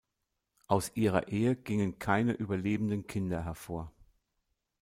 Aus ihrer Ehe gingen keine überlebenden Kinder hervor.